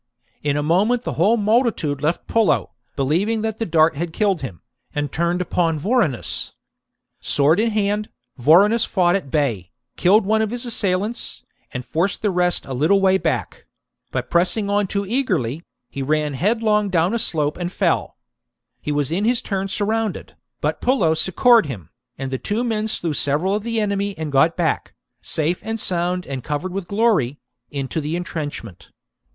In a moment the whole multitude left Pullo, believing that the dart had killed him, and turned upon Vorenus. Sword V OUINTUS CICERO AT BAY 159 in hand, Vorenus fought at bay, killed one of his 54 b.c. assailants, and forced the rest a little way back ; but pressing on too eagerly, he ran headlong dovvn^ a slope and fell. He was in his turn surrounded, but Pullo succoured him, and the two men slew several of the enemy and got back, safe and sound and covered with glory, into the entrenchment.